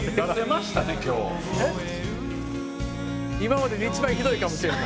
今までで一番ひどいかもしれんな。